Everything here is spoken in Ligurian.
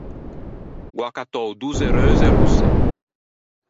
Gh’ò accattou dozze reuse rosse.